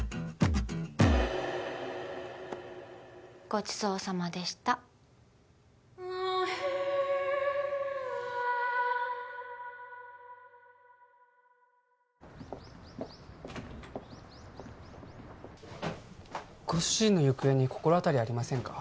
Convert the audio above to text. ごちそうさまでしたご主人の行方に心当たりありませんか？